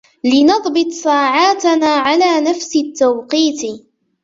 لنضبط ساعاتنا على نفس التوقيت.